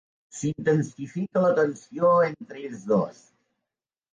S'intensifica la tensió entre ells dos.